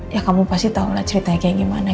ya kamu pasti tahu lah ceritanya kayak gimana